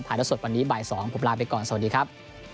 แล้วสดวันนี้บ่าย๒ผมลาไปก่อนสวัสดีครับ